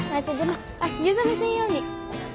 湯冷めせんように。